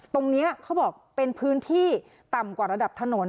เขาบอกเป็นพื้นที่ต่ำกว่าระดับถนน